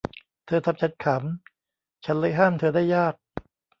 เธอทำฉันขำ ฉันเลยห้ามเธอได้ยาก